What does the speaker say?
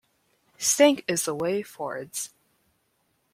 Stank is the way forwards.